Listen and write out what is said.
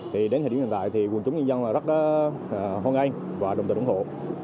thì đến thời điểm hiện tại thì quần chúng nhân dân rất hôn ây và đồng tình ủng hộ